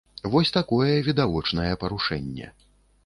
Вось такое відавочнае парушэнне.